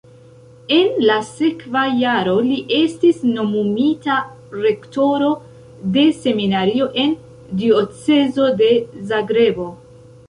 En la sekva jaro li estis nomumita rektoro de seminario en diocezo de Zagrebo.